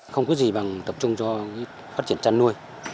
không có gì bằng tập trung cho phát triển chăn nuôi